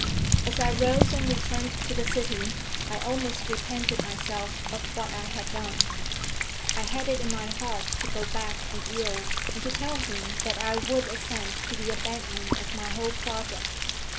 As I rose and returned to the city, I almost repented myself of what I had done. I had it in my heart to go back and yield, and to tell him that I would assent to the abandonment of my whole project.